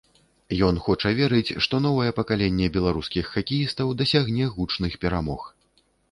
Ён хоча верыць, што новае пакаленне беларускіх хакеістаў дасягне гучных перамог.